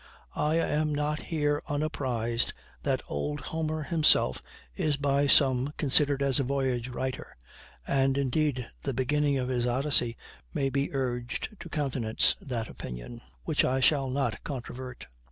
I am not here unapprised that old Homer himself is by some considered as a voyage writer; and, indeed, the beginning of his Odyssey may be urged to countenance that opinion, which I shall not controvert.